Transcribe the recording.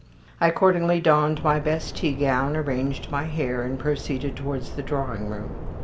I accordingly donned my best teagown, arranged my hair, and proceeded towards the drawing room.